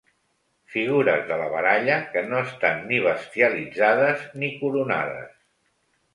Figures de la baralla que no estan ni bestialitzades ni coronades.